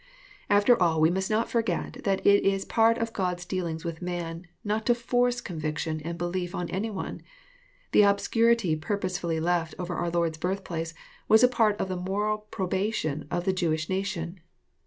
After all we must not forget that it is part of God's dealings with man, not to forc^ conviction and belief on any one. The obscurity purposely left over our Lord's birthplace was a part of the moral probation of the Jewish nation.